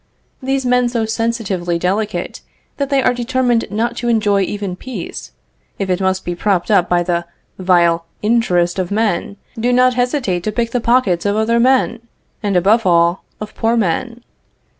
These men so sensitively delicate, that they are determined not to enjoy even peace, if it must be propped by the vile interest of men, do not hesitate to pick the pockets of other men, and above all of poor men.